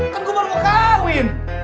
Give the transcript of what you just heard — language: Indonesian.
kan gua baru mau kawin